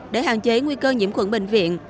để hạn chế nguy cơ nhiễm khuẩn bệnh viện